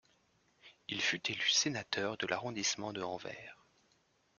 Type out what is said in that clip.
Il fut élu sénateur de l'arrondissement de Anvers.